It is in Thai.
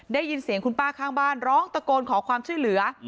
ได้ยินเสียงคุณป้าข้างบ้านร้องตะโกนขอความช่วยเหลือ